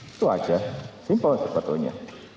itu aja simple sebetulnya